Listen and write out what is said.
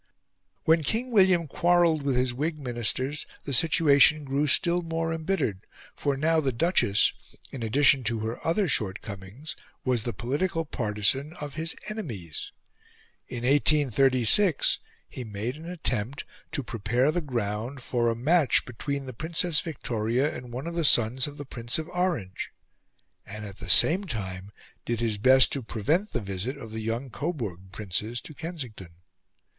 When King William quarrelled with his Whig Ministers the situation grew still more embittered, for now the Duchess, in addition to her other shortcomings, was the political partisan of his enemies. In 1836 he made an attempt to prepare the ground for a match between the Princess Victoria and one of the sons of the Prince of Orange, and at the same time did his best to prevent the visit of the young Coburg princes to Kensington.